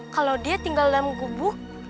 kalau dia tinggal dalam gubu